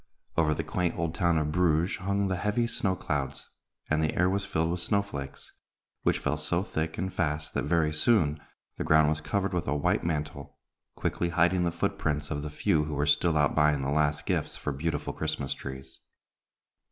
Over the quaint old town of Bruges hung the heavy snow clouds, and the air was filled with snow flakes, which fell so thick and fast that very soon the ground was covered with a white mantle, quickly hiding the foot prints of the few who were still out buying the last gifts for beautiful Christmas trees.